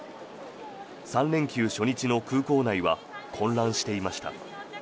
３連休初日の空港内は混乱していました。